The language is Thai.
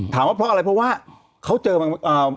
ถามว่าเพราะอะไรเพราะว่า